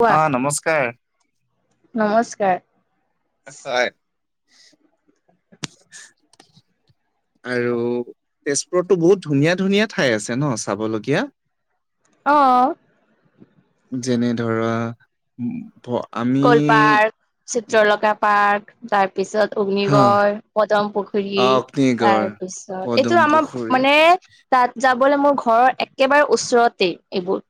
কোৱা অ নমস্কাৰ। নমস্কাৰ। হয়। আৰু তেজপুৰতটো বহুত ধুনীয়া ধুনীয়া ঠাই আছে ন চাবলগীয়া। অ যেনে ধৰা আমি কল পাৰ্ক চিত্ৰলকা পাৰ্ক তাৰ, তাৰপিছত হা অগ্নিগড় পদম পুখুৰী। আহ, অগ্নিগড় তাৰপিছত পদুম এইটো আমাৰ পুখুৰী মানে। তাত যাবলৈ মোৰ ঘৰৰ একেবাৰে ওচৰতেই এইবোৰ।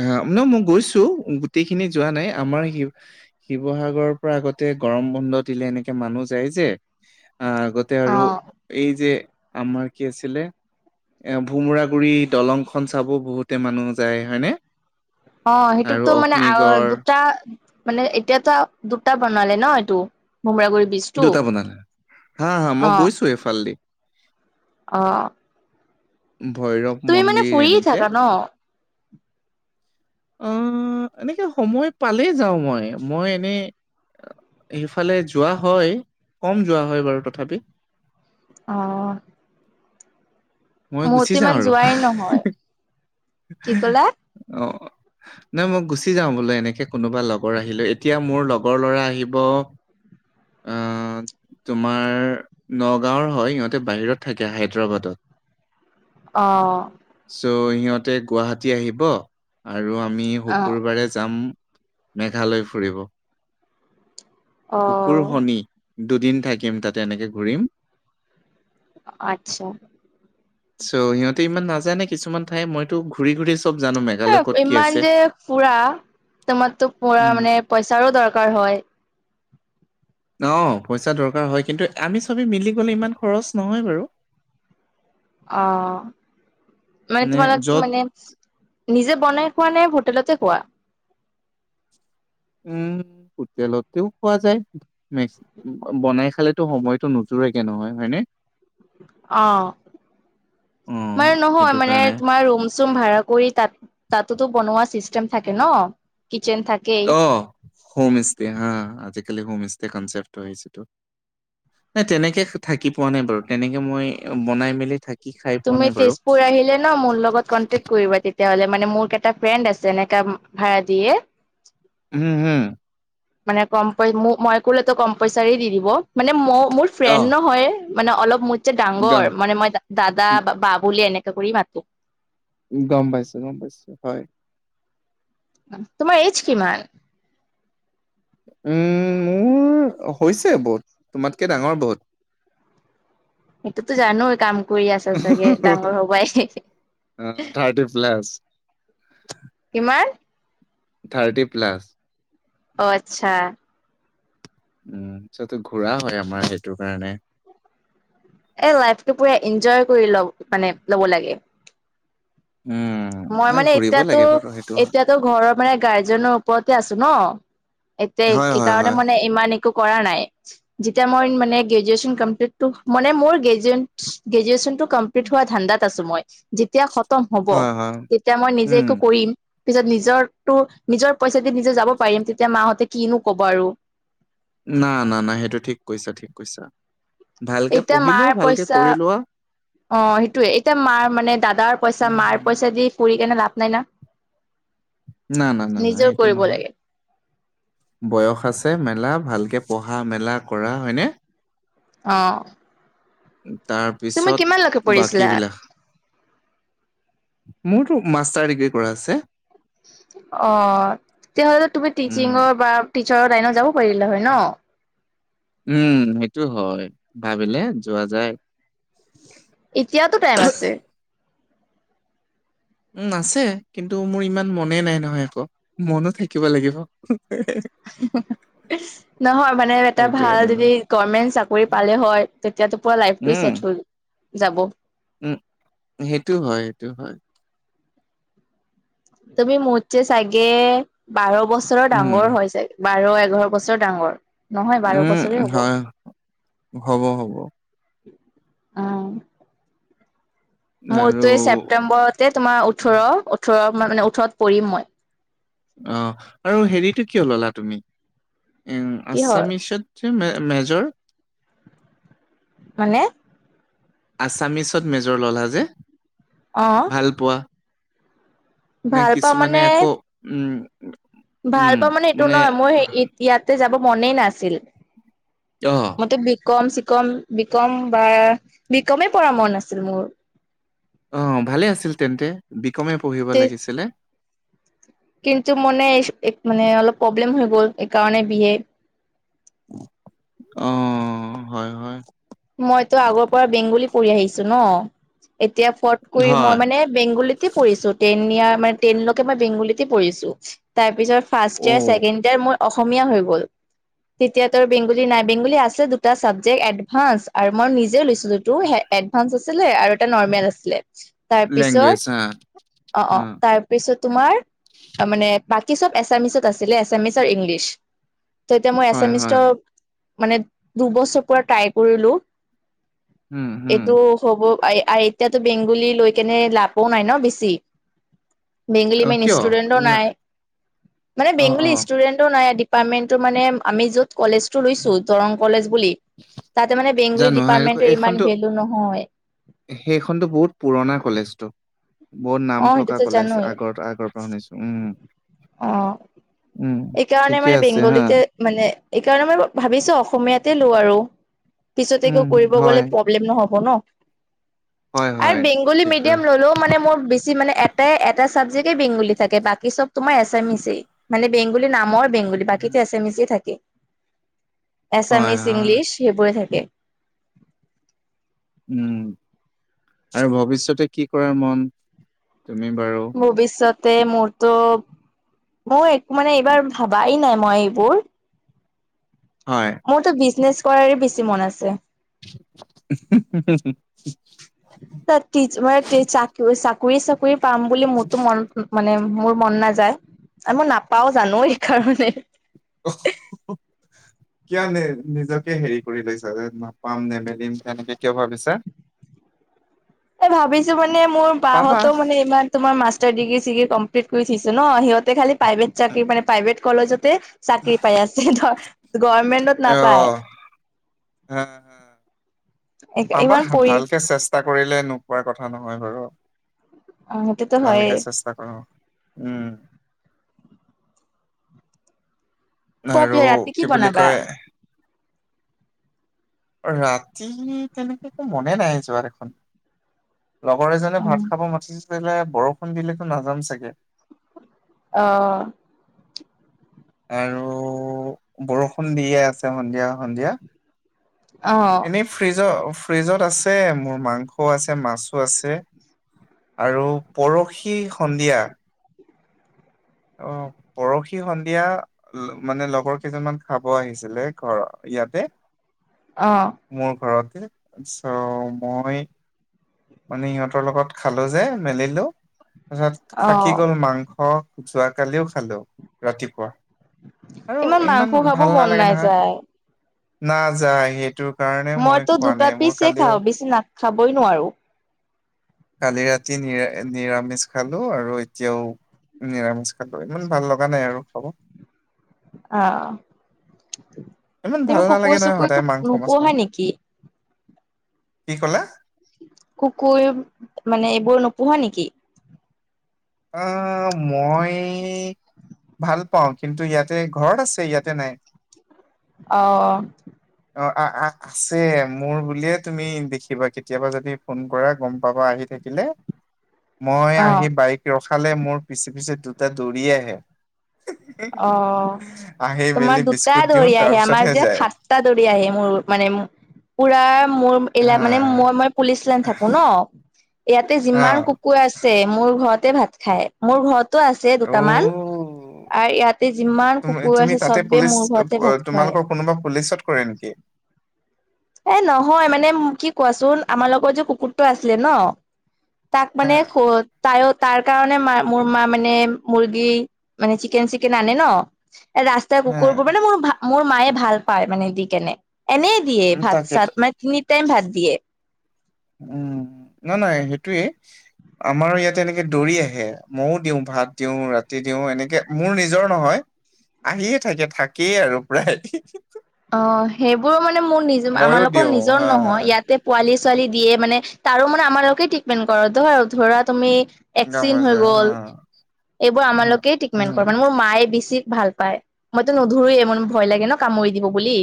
আহ ন মই গৈছোঁ গোটেইখিনি যোৱা নাই। আমাৰ সিও শিৱসাগৰৰ পৰা আগতে গৰম বন্ধ দিলে এনেকে মানুহ যায় যে আহ আগতে- অ আৰু এই যে আমাৰ কি আছিলে। এ ভোমোৰা গুৰি দলংখন চাব বহুতে মানুহ যায়। হয়নে অ আৰু সেইটোতো মানে অ অগ্নিগড় দুটা মানে এতিয়াতো দুটা বনালে ন এইটো ভোমোৰা গুৰিত দুটা বনালে হা হা মই অ গৈছো এইফালদি। অ ভৈৰৱ, তুমি মানে মন্দিৰ ফুৰিয়ে এনেকে থাকা ন অ এনেকে সময় পালেই যাওঁ মই মই এনেই সেইফালে যোৱা হয় কম যোৱা হয় বাৰু তথাপি- অ মই গুচি মোৰটো যাওঁ ইমান আৰু। যোৱাই নহয়। কি কলা অ নাই মই গুচি যাওঁ বোলো এনেকে কোনোবা লগৰ আহিলে এতিয়া মোৰ লগৰ ল'ৰা আহিব। অ তোমাৰ নগাঁওৰ হয় ইহঁতে বাহিৰত থাকে হায়দৰাবাদত। অ চ' সিহঁতে গুৱাহাটী আহিব আৰু আমি অ শুকুৰবাৰে যাম মেঘালয় ফুৰিব। অ শুকুৰ শনি দুদিন থাকিম তাতে এনেকে ঘূৰিম। আচ্ছা চ' সিহঁতে ইমান নাাজানে কিছুমান ঠাই মইতো ঘূৰি ঘুৰিছো। এ ইমান যে ফুৰা তোমাৰতো পুৰা উম। মানে পইচাৰো দৰকাৰ হয়। [inaudible] অ পইচা দৰকাৰ হয় কিন্তু আমি চবেই মিলি গলে ইমান খৰচ নহয় বাৰু অ মানে তোমালোক কি মানে। নিজে বনাই খোৱা নাই হোটেলতে খোৱা। উম হোটেলতেও পোৱা যায় মেস বনাই খালে। টো সময়তটো নোযোৰেগে নহয় হয় নে। অ অ' মানে নহয়। সেইটো মানে কাৰণে তোমাৰ ৰুম ৰুম চোম ভাড়া কৰি তাত তাতোতো বনোৱা চিষ্টেম থাকে ন কিচেন থাকে। অ হোম ষ্টে হা আজিকালি হোম ষ্টে কনচেপ হৈছেো। নাই তেনেকে থাকি পোৱা নাই বাৰু তেনেকে মই বনাই মেলি থা তুমি তেজপুৰ আহিলে ন মোৰ লগত কন্টেক কৰিবা তেতিয়া হলে মানে মোৰ এটা ফ্ৰেণ্ড আছে এনেকাা ভাড় দিয়ে। উম হুম মানে কম প মই কোলেতো কম পইচাৰে দি দিব মানে ম মোৰ ফ্ৰেণ্ড অ' নহয়। মানে অলপ মোৰ যে ডাঙৰ গ মানে মই দাদা বা বা বুলি এনেকা কৰি মাতো। গম পাইছো গম পাইছো হয়। তোমাৰ এইজ কিমান? উম মোৰ হৈছে বহুত তোমাতকে ডাঙৰ বহুত। সেইটোতো জানো কাম কৰি আছ চাগে ডাঙৰ হবাই অ থাৰ্টি প্লছ কিমান থাৰ্টি প্লাছ অ আচ্ছা উম পিছতো ঘূৰা হয় আমাৰ সেইটো কাৰণে এ লাইফটো পুৰা এঞ্জয় কৰি ল মানে লব লাগে উম মই নাই মানে ঘূৰিব এতিয়াতো লাগে বাৰু সেইটো এতিয়াতো ঘৰৰ মানে গাৰ্জেনৰ ওপৰতে আছো ন এতিয়া হয় হয় হয় এইকাৰণে হয় মানে ইমান একো কৰা নাই যেতিয়া মই মানে গ্ৰেজুৱেচন কম্লটটো মানে মোৰে গ্ৰেজুৱেন গ্ৰেজুৱেচনটো কম্পিলিত হোৱা ধান্দাত আছো মই যেতিয়া খতম হব হয় হয় তেতিয়া মই নিজে উম একো কৰিম পিছত নিজৰ টো নিজৰ পইচা যদি নিজে যাব পাৰিম তেতিয়া মাহঁতে কিনো কব আৰু না না না সেইটো ঠিক কৈছা ঠিক কৈছা ভালকে এতিয়া পঢ়ি লোৱা মাৰ ভালকে পইচা কৰি লোৱা অ সেইটোয়ে এতিয়া মাৰ মানে দাদাৰ পইচা মাৰ উম, পইচা দি ফুৰি কেনে লাভ নাই না না না না নিজেও সেইটো কৰিব নাই লাগে বয়স আছে মেলা ভালকে পঢ়া মেলা কৰা হয়নে অ তুমি তাৰপিছত কিমানলৈকে পঢ়িছিলা? বাকীবিলাক মোৰতো মাষ্টাৰ ডিগ্ৰী কৰা আছে অ তেতিয়াহ'লেতো তুমি উম, টিচিঙৰ বা টিচাৰৰ লাইনত যাব পাৰিলা হয় ন উম সেইটো হয় ভাবিলে যোৱা যায় এতিয়াতো টাইম আছে উ আছে কিন্তু মোৰ ইমান মনে নাই নহয় আকৌ মনো থাকিব লাগিব [unintelligible] নহয় মানে এটা সেইটোয়ে ভাল ন। যদি গমেন্ট চাকৰি পালে হয় তেতিয়াতো পুৰা লাইফটো উম, চেট হৈ যাব উম সেইটো হয় সেইটো হয় তুমি মোতকে চাগে বাৰ বছৰৰ উম, ডাঙৰ হয় চাগে বাৰ এঘাৰ বছৰ ডাঙৰ নহয় বাৰ উম বছৰে হ'ব হয় হব হ'ব অ আৰু মোৰতো এই ছেপ্তেম্বৰতে তোমাৰ ওঠৰ ওঠৰ মানে ওঠৰত পৰিম মই অ আৰু হেৰিটো কিয় ললা তুমি উম কি হয় আছামিচত যে মেজৰ মানে আছামিছত মেজৰ ললা যে অ ভাল পোৱা নে ভাল পাওঁ কিছুমানে মানে আকৌ উম ভাল পাওঁ মানে এইটো নহয় মোৰ ইয়াতে যাব মনে নাছিল অ মইতো বিকম চিকম বিকম বা বিকমে পঢ়া মন আছিল মোৰ অ ভালে আছিল তেন্তে বিকমে পঢ়িব লাগিছিলে কিন্তু মনে এক মানে অলপ প্ৰব্লেম হৈ গ'ল এইকাৰণে বি এ অ হয় হয় মইতো আগৰ পৰা বেংগলী পঢ়ি আহিছো ন এতিয়া ফট কৰি মই হয়, মানে বেংগলীতে পঢ়িছো টেন ইয়াৰ মান টেনলৈকে মই বেংগুলীতে পঢ়িছো। তাৰ পিছত ফাৰ্ষ্ট ইয়েৰ অ', ছেকেণ্ড ইয়েৰ মোৰ অসমীয়া হৈ গ'ল তেতিয়া তৰ বেংগলী নাই, বেংগলী আছে দুটা চাবজেক্ট এড- ভাছ আৰু মই নিজেও লৈছিলোটো এডভান্স আছিলে আৰু এটা নৰ্মেল আছিলে। লেংগুৱেজ হা তাৰপিছত অ অ তাৰ পিছত তোমাৰ মানে বাকী চব এছামিচত আছিলে এছামিচ আৰু ইংলিছ। ত এতিয়া মই হয়, এচামিষ্ট হয়, মানে দুবছৰ পৰা ট্ৰাই কৰিলো। উম, হম, এইটো হ'ব আই আই এতিয়াতো বেংগলী লৈ কেনে লাপো নাই ন বেছি। বেগলী অ', মেইন কিয় ষ্টুডেণ্টো লা নাই মানে অ', বেংগলী অ', ষ্টুডেণ্টটো নাই ডিপ- পাৰ্টমেন্টটো মানে আমি য'ত কলেজটো লৈছো দৰং কলেজ বুলি তাতে মানে বেংগলী জানো হয় ডিপাৰ্টমেণ্টৰ ইমান এইখনতো ভেলু নহয়। সেইখনতো বহুত পুৰণা কলেজটো বহুত অ নাম থকা সেইটোতো কলেজ জানোৱেই আগৰ আগৰ পৰা শুনিছো উম। অ উম, এইকাৰণে ঠিকে মানে আছে হা বেংগলীতে মানে এইকাৰণে মই ভাবিছো অসমীয়াতে লো আৰু পিছতে উম, একো হুম কৰিব হয়, গ'লে পপ- ব্লেম নহ'ব ন। হয়, আৰ হয়, বেংগলী ঠিকে মেডিয়াম ল'লৌ মানে মোৰ বেছি মানে এটে এটা চাবজেক্টে বেংগুলী থাকে বাকী চব তোমাৰ এছামিচেই মানে বেংগলী নামৰ বেংগলী বাকীটে এছামিছে থাকে। হয়, এছামিছ হয়, ইংলিছ সেইবোৰে থাকে। উম আৰু ভৱিষ্যতে কি কৰাৰ মন তুমি বাৰু? ভৱিষয়তে মোৰতো মই একো মানে এইবাৰ ভাবাই নাই মই এইবোৰ। হয়। মোৰতো বিজনেছ কৰাৰ বেছি মন আছে। [unintelligible] তাত তিজ মানে তিজ চাক চাকৰি চাকৰি পাম বুলি মোৰতো মনত মানে মোৰ মন নাযায় আৰু মই নাপাও জানো এইকাৰণে। অ। কিয় নে নিজকে হেৰি কৰি লৈছ যে নাপাম নেমেলিম তেনেকে কিয় ভাবিছা? এ ভাবিছো মানে মোৰ পাবা বাঁহতো মানে ইমান তোমাৰ মাষ্টাৰ ডিগ্ৰী চিগ্ৰী কমপ্লিট কৰি থিছে ন সিহঁতে খালি প্ৰাইভেট চাকৰি মানে প্ৰাইভেট কলেজত তে চাকৰি পাই আছে ধৰ গমেন্টত অহ আ হা পাবা ইমান পৰি ভালকে চেষ্ট- টা কৰিলে নোপোৱাৰ কথা নহয় বাৰু অ সেইটোতো হয়ে ভালকে চেষ্টা অ উম। কোৱা আৰু পিয়ে ৰাতি কি বুলি বনাবা? কয় ৰাতি তেনেকে একো মনে নাই যোৱা দেখোন লগৰ এজনে অ ভাত খাব মাতিছিলে বৰষুণ দিলেটো নাযাম চাগে। অ। আৰু বৰষুণ দিয়ে আছে সন্ধিয়া সন্ধিয়া অ। ফ্ৰিজ ফ্ৰিজত আছে মোৰ মাংসও আছে, মাছো আছে। আৰু পৰশি সন্ধিয়া অ পৰশি সন্ধিয়া মানে লগৰ কেইজনমান খাব আহিছিলে ঘৰ ইয়াতে অ। মোৰ ঘৰতে চ' মই- মানে ইহঁতৰ লগত খালো যে মেলিলো- তাৰপাচত অ থাকি গ'ল মাংস যোৱাকালিও খালো ৰাতিপুৱা। আৰু মাংস ইমান খাব ভাল মন নালাগে নহয়, নাযায় নাযায় সেইটো- মইতো দুটা পিচে খাওঁ, বেছি না খাবই নোৱাৰো। কালি ৰাতি নিৰা নিৰামিষ খালো আৰু এতিয়াও- নিৰামিষ খালোঁ, ইমান ভাল লগা নাই আৰু খাব। আহ' ইমান ভাল তুমি নালাগে নহয় সদায় কুকুৰ-চুকুৰটো মাংস মাছ মাংস নোপোহা নেকি? কি ক'লা? কুকুৰ মানে এইবোৰ নোপোহা নেকি? অঁ, মই- ভাল পাওঁ কিন্তু ইয়াতে ঘৰত আছে ইয়াতে নাই। অঁ। [unintelligible] অঁ, আছে মোৰ বুলিয়ে তুমি দেখিবা কেতিয়াবা যদি ফোন কৰা গম পাবা আহি থাকিলে। মই অ আহি অ বাইক ৰখালে মোৰ পিছে পিছে দুটা দৌৰি আহে। অঁ, আহি মেলি তোমাৰ দুটা বিস্কুট দিওঁ দৌৰি তাৰ আহে, আমাৰ পিছতহে যে যায় খা- দৌৰি আহি মোৰ মানে পুৰা মোৰ হা এইলাক মানে মই মই- পুলিচ লাইন থাকো ন, ইয়াতে যিমান- অ' কুকুৰ আছে মোৰ ঘৰতে ভাত খাই, মোৰ ঘৰতো আছে দুটামান। আৰু ইয়াতে যিমান কুকুৰ তুমি-তুমি আছে তাতে চবে পুলিচ, মোৰ ঘৰতে ভাত খুৱাই তোমালোকৰ কোনোবা পুলিচত কৰে নেকি? এ নহয় মানে কি কোৱাচোন, আমাৰ লগত যে কুকুৰটো আছিলে ন- তাক হা মানে [unintelligible] তায়ো তাৰ কাৰণে মা মোৰ মা মানে মুৰ্গী মানে চিকেন- চিকেন আনে ন- ৰাস্তা হা কুকুৰবোৰ মানে মোৰ-মোৰ মায়ে ভাল পায় মানে দি কেনে এনেই দিয়ে। তাকেতো ভাত-চাত মানে তিনি টাইম ভাত দিয়ে। উম-উম, নাই নাই সেইটোয়ে। আমাৰো ইয়াত এনেকে দৌৰি আহে মইও দিওঁ, ভাত দিওঁ ৰাতি দিওঁ এনেকে মোৰ নিজৰ নহয়- আহিয়ে থাকে থাকেই আৰু প্ৰায়। অ' সেইবোৰো মানে মোৰ নিজ মইও আমাৰালোকৰ দিওঁ নিজৰ হা নহয় ইয়াতে- পোৱালি-ছোৱালী দিয়ে মানে তাৰো মানে আমাৰ লোকে ট্ৰিটমেণ্ট কৰে ধ ধৰা তুমি- গম এক্সিডেন হৈ পাইছে হা গ'ল এইবোৰ উম আমালোকে ট্ৰিটমেন্ট উম কৰে মানে মোৰ মায়ে বেছি ভাল পায়। মইতো নধৰোয়ে মোৰ ভয় লাগে ন' কামুৰি দিব বুলি।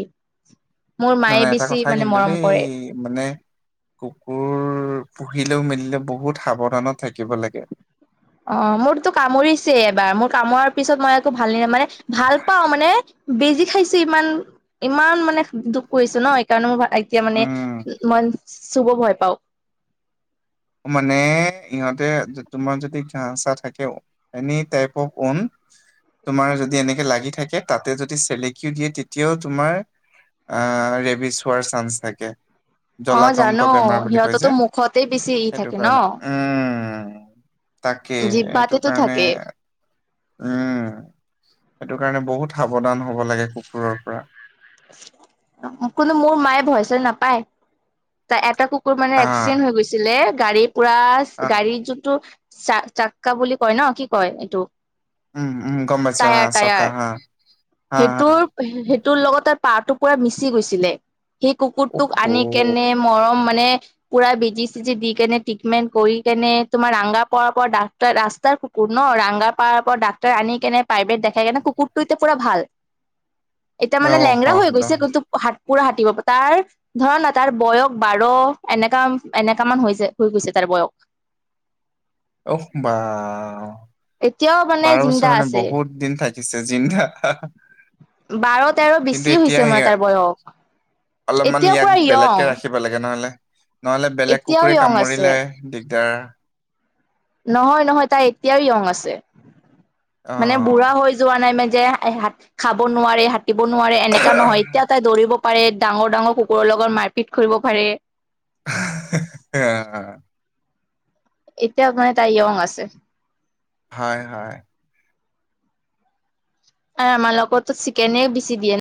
মোৰ নাই মায়ে নাই এটা বেছি কথা মানে কিন্তু মৰম দেই কৰে। মানে কুকুৰ পুহিলেও মেলিলে বহুত সাৱধানত থাকিব লাগে। অঁ, মোৰতো কামুৰিছেই এবাৰ মোৰ কামাৰ পিছত মই একো ভালে মানে- ভাল পাও মানে বেজি খাইছো ইমান, ইমান মানে দুখ কৰিছে ন' এইকাৰণে মোৰ ভাল- এতিয়া মানে উম মই চুব ভয় পাওঁ। মানে ইহঁতে তোমাৰ যদি কাঁহ-চাঁহ থাকে- এনি টাইপ অফ [unintelligible] তোমাৰ যদি এনেকে লাগি থাকে তাতে যদি চেলেকিও দিয়ে তেতিয়াও তোমাৰ- আহ' ৰেবিচ হোৱাৰ চান্স থাকে, জলাতংক বেমাৰ বুলি কয় যে। খতেই বেছি- ই সেইটো থাকে কাৰণত, ন উমঁ তাকেই সেইটো জিভাতেতো থাকে কাৰণে- উমঁ, সেইটো কাৰণে বহুত সাৱধান হ'ব লাগে কুকুৰৰ পৰা। কোনো মোৰ মায়ে ভয় চই নাপায় তা এটা কুকুৰ মানে আহ এক্সিডেণ্ট হৈ গৈছিলে গাড়ীৰ পুৰা আহ গাড়ীৰ যোনটো চাক চাক্কা বুলি কয় ন কি কয় এইটো উম উম গম পাইছা টায়াৰ অ চকা টায়াৰ হা হা হা সেইটোৰ সেইটোৰ লগত তাৰ পাহটো পুৰা মিচি গৈছিলে সেই অহ কুকুৰটোক আনি কেনে মৰম মানে পুৰা বেজি চিজি দি কেনে ট্ৰিটমেণ্ট কৰি কেনে তোমাৰ ৰাংগা পৰাৰ পৰা ডাফতাৰ ৰাস্তাৰ কুকুৰ ন ৰাংগা পাৰৰ পৰা ডাক্তৰ আনি কেনে প্ৰাইভেট দেখাই কেনে কুকুৰটো এতিয়া পুৰা ভাল এতিয়া মানে অহ লেংৰা হৈ গৈছে কিন্তু হাত পুৰা হাতুৰিব তাৰ ধৰা ন তাৰ বয়স বাৰ এনেকা এনেকা মান হৈছে হৈ গৈছে তাৰ বয়স অহ বাও এতিয়াও বা বাৰ বছৰ মানে বহুত দিন থাকিছে জিন্দা বাৰ তেৰ কিন্তু বেছি এতিয়া হৈছে মানে তাৰ বয়স এতিয়া পুৰা য়ং বেলেগে নহলে নহলে বেলেগ এতিয়াও কুকুৰে য়ং আছে। কামুৰিলে দিগদাৰ নহয় নহয় তাৰ এতিয়াও য়ং আছে মানে বুঢ়া হৈ যোৱা নাই মান যে খাব নোৱাৰি হাতুৰিব নোৱাৰে এনেকা নহয় এতিয়া তাই দৌৰিব পাৰে ডাঙৰ ডাঙৰ কুকুৰৰ লগত মাৰপিট কৰিব পাৰে হা আহা এয়া এতিয়া মানে তাই য়ং আছে হয় হয় এ আমাৰ লগততো চিকেনে বেছি দিয়ে